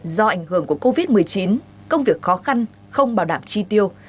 do ảnh hưởng của covid một mươi chín công việc khó khăn không bảo đảm chi tiêu